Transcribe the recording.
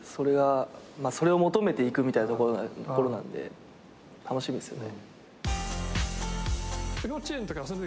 それを求めて行くみたいなところなんで楽しみですよね。